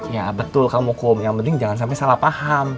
ya betul kamu kum yang penting jangan sampai salah paham